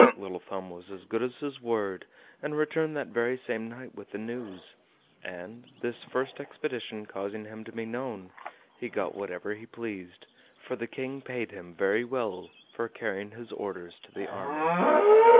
Little Thumb was as good as his word, and returned that very same night with the news; and, this first expedition causing him to be known, he got whatever he pleased, for the King paid him very well for carrying his orders to the army.